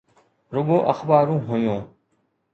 رڳو اخبارون هيون.